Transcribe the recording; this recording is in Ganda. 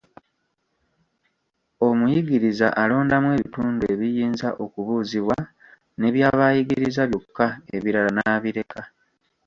Omuyigiriza alondamu ebitundu ebiyinza okubuuzibwa ne by'aba ayigiriza byokka ebirala n'abireka.